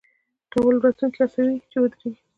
ناول لوستونکی هڅوي چې ودریږي.